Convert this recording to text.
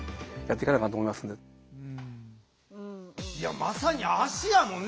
まさに足やもんね。